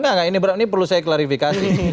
enggak enggak ini perlu saya klarifikasi